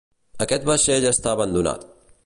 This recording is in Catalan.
Aquest vaixell està abandonat.